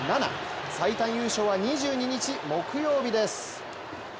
最短優勝は２２日木曜日です。